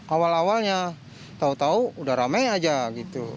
awal awalnya tahu tahu udah ramai aja gitu